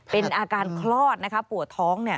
เป็นอาการคลอดนะคะปวดท้อง